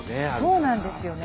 そうなんですよね。